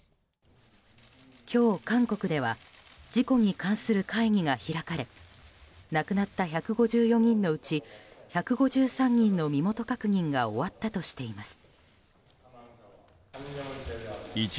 今日、韓国では事故に関する会議が開かれ亡くなった１５４人のうち１５３人の身元確認が終わったとしています。